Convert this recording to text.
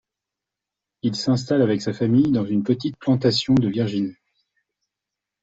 Il s'installe avec sa famille dans une petite plantation de Virginie.